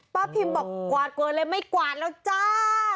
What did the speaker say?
พิมบอกกวาดก่อนเลยไม่กวาดแล้วจ้า